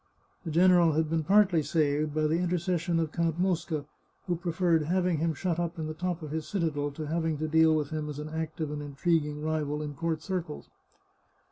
The general had been partly saved by the intercession of Count Mosca, who pre ferred having him shut up in the top of his citadel to having to deal with him as an active and intriguing rival in court circles.